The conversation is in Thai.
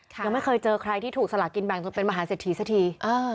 ยังไม่เคยเจอใครที่ถูกสลากินแบ่งจนเป็นมหาเศรษฐีสักที